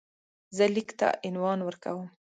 زه لیک ته عنوان ورکوم.